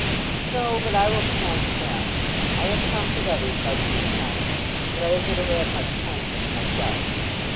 "No; but I will be kind to them. I have conquered others by being kind, but I have never had much kindness myself.